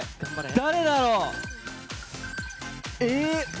誰だろう？